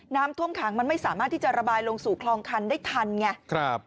น้ำท่วมขังมันไม่สามารถที่จะระบายลงสู่คลองคันได้ทันไงครับ